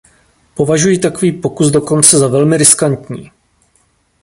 Považuji takový pokus dokonce za velmi riskantní.